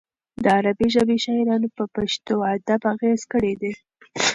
د عربي ژبې شاعرانو په پښتو ادب اغېز کړی دی.